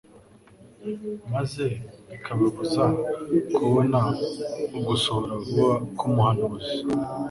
maze bikababuza kubona ugusohora vuba k'ubuhanuzi